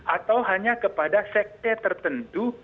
atau hanya kepada sekte tertentu